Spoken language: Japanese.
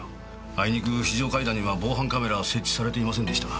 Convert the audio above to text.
あいにく非常階段には防犯カメラは設置されていませんでした。